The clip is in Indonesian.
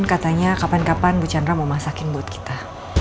katanya kapan kapan bu chandra mau masakin booth kita